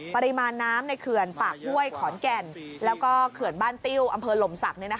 ปริมาณน้ำในเขื่อนปากห้วยขอนแก่นแล้วก็เขื่อนบ้านติ้วอำเภอหลมศักดิ์